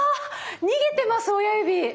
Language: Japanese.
逃げてます親指！